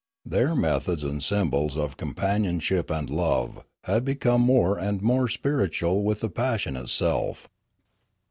Their methods and symbols of companionship and love had become more and more spiritual with the passion itself.